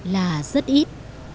là rất ít